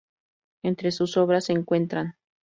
Entre sus obras se encuentran.